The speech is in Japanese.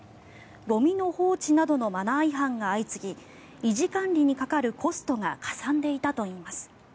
ゴミの放置などのマナー違反が相次ぎ維持管理にかかるコストがかさんでいたといいます。